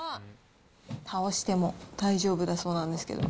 倒しても大丈夫だそうなんですけど。